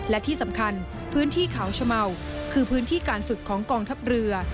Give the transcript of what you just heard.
และที่สำคัญพื้นที่เขาชะเมาคือพื้นที่การฝึกของกองทัพเรือ